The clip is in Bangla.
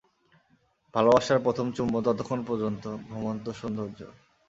ভালবাসার প্রথম চুম্বন ততক্ষণ পর্যন্ত, ঘুমন্ত সৌন্দর্য।